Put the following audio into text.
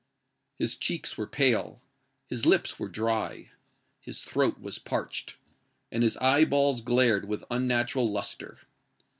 His cheeks were pale,—his lips were dry,—his throat was parched,—and his eye balls glared with unnatural lustre.